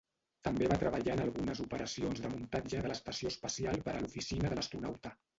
També va treballar en algunes operacions de muntatge de l'estació espacial per a l'Oficina de l'Astronauta.